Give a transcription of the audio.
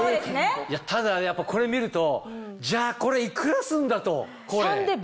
ただやっぱこれ見るとじゃあこれいくらすんだと。